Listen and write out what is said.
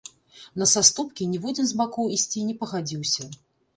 На саступкі ніводзін з бакоў ісці не пагадзіўся.